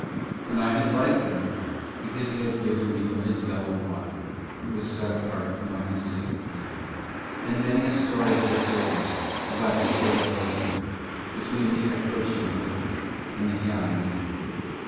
And I had liked the man because he had given me of his yellow wine that was set apart among his sacred things, and many a story he had told me about his fair Belzoond between the Acrotian hills and the Hian Min.